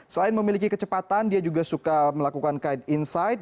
selain memiliki kecepatan dia juga suka melakukan kite inside